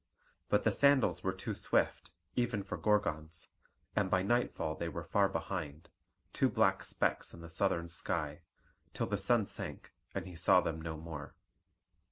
But the sandals were too swift, even for Gorgons, and by nightfall they were far behind, two black specks in the southern sky, till the sun sank and he saw them no more.